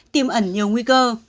tiêm ẩn nhiều nguy cơ